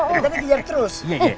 kita ngejark terus